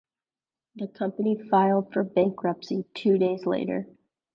The company filed for bankruptcy two days later.